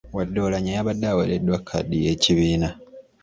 Wadde Oulanyah yabadde aweereddwa kkaadi y’ekibiina.